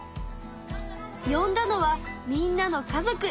よんだのはみんなの家族。